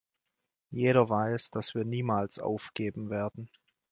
Jeder weiß, dass wir niemals aufgeben werden!